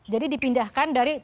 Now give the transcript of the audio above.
jadi dipindahkan dari